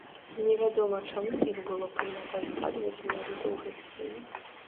Невядома чаму іх было прынята згадваць менавіта ў гэты дзень.